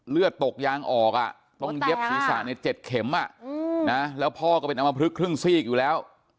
เลือดตกยางออกต้องเย็บศีรษะใน๗เข็มแล้วพ่อก็เป็นอมพลึกครึ่งซีกอยู่แล้ว